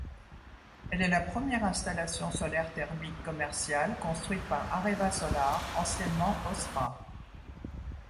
Elle est la première installation solaire thermique commerciale construite par Areva Solar, anciennement Ausra.